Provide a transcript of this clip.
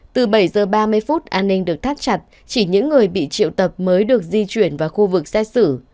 từ bảy h ba mươi phút an ninh được thắt chặt chỉ những người bị triệu tập mới được di chuyển vào khu vực xét xử